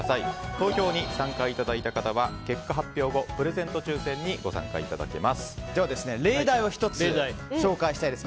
投票に参加いただいた方は結果発表後プレゼント抽選にでは、例題を１つ紹介します。